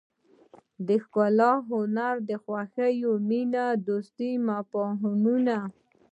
د ښکلا هنر خوښۍ مینې دوستۍ مفهومونه.